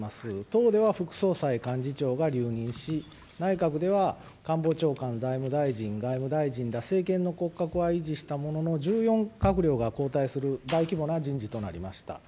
党では副総裁、幹事長が留任し、内閣では官房長官外務大臣ら政権の骨格は維持したものの１４閣僚が交代する大規模な人事となりました。